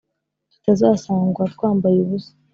Tutazasangwa twambaye ubusa